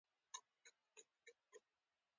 • واده د شریکې خوشحالۍ پیل دی.